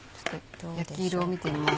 焼き色を見てみます。